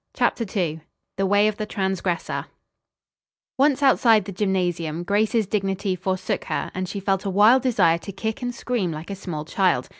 CHAPTER II THE WAY OF THE TRANSGRESSOR Once outside the gymnasium, Grace's dignity forsook her, and she felt a wild desire to kick and scream like a small child.